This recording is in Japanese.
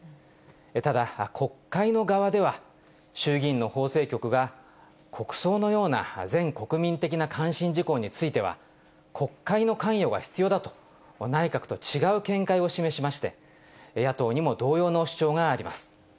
ただ、国会の側では、衆議院の法制局が、国葬のような全国民的な関心事項については、国会の関与が必要だと、内閣とは違う見解を示しまして、野党にも同様の主張がありま